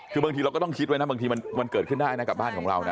คือบางทีเราก็ต้องคิดไว้นะบางทีมันเกิดขึ้นได้นะกับบ้านของเรานะ